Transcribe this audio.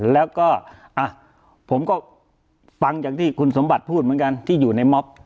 แล้วก็ผมก็ฟังจากที่คุณสมบัติพูดเหมือนกันที่อยู่ในม็อบ